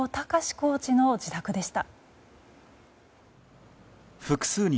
コーチの自宅でした。